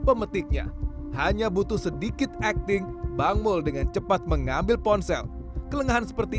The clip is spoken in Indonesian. pemetiknya hanya butuh sedikit acting bangmul dengan cepat mengambil ponsel kelengahan seperti